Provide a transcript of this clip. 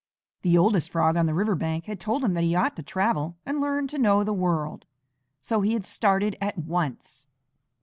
The oldest Frog on the river bank had told him that he ought to travel and learn to know the world, so he had started at once.